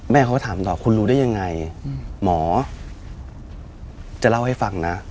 เขาก็ถามต่อคุณรู้ได้ยังไงหมอจะเล่าให้ฟังนะ